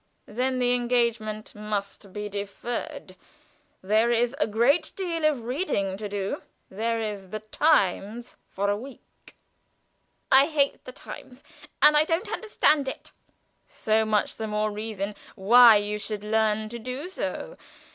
"Then the engagement must be deferred. There is a great deal of reading to do. There is the 'Times' for a week." "I hate the 'Times,' and I don't understand it." "So much the more reason why you should learn to do so.